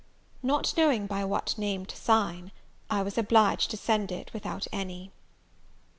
Not knowing by what name to sign, I was obliged to send it without any.